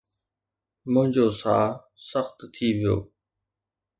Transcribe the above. منهنجو ساهه سخت ٿي ويو